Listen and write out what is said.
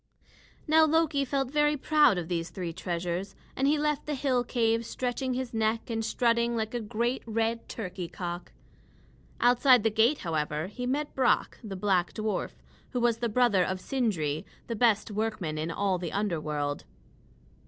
Now Loki felt very proud of these three treasures, and left the hill cave stretching his neck and strutting like a great red turkey cock. Outside the gate, however, he met Brock, the black dwarf, who was the brother of Sindri, the best workman in all the underworld.